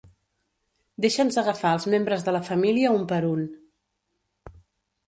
Deixa'ns agafar els membres de la família un per un.